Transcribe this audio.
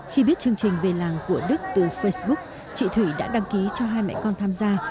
khi biết chương trình về làng của đức từ facebook chị thủy đã đăng ký cho hai mẹ con tham gia